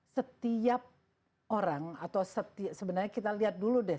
setiap orang atau sebenarnya kita lihat dulu deh